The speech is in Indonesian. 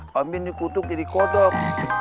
kambing dikutuk jadi kodok